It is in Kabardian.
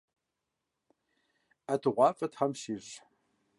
ӀэтыгъуафӀэ тхьэм фщищӀ.